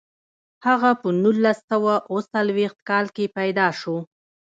هغه په نولس سوه اووه څلویښت کال کې پیدا شو.